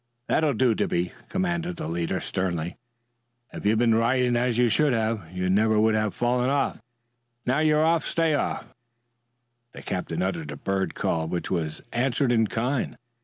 "That'll do, Dippy!" commanded the leader sternly. "If you'd been riding as you should have, you never would have fallen off. Now you're off, stay off." The captain uttered a bird call which was answered in kind.